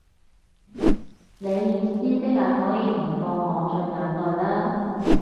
你意思即係可以唔放我在眼內啦